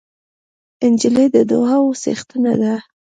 نجلۍ د دعاوو څښتنه ده.